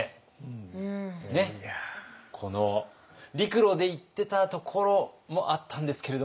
陸路で行ってたところもあったんですけれども